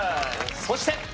そして！